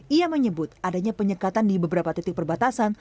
ia menyebut adanya penyekatan di beberapa titik perbatasan